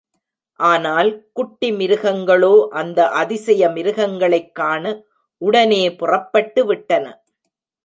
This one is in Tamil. ஆனால் குட்டி மிருகங்களோ அந்த அதிசய மிருகங்களைக் காண உடனே புறப்பட்டு விட்டன.